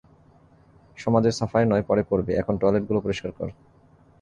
সমাজের সাফাই নয় পরে করবি, এখন টয়লেটগুলো পরিষ্কার কর।